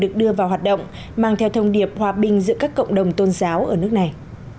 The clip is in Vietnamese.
được đưa vào hoạt động mang theo thông điệp hòa bình giữa các cộng đồng tôn giáo ở nước này